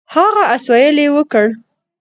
هغه اسویلی وکړ.